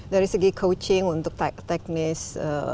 dari segi coaching untuk teknis